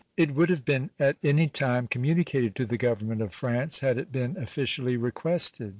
It would have been at any time communicated to the Government of France had it been officially requested.